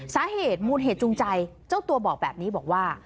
สาเหตุมูลเหตุจูงใจเจ้าตัวบอกแบบนี้บอกว่า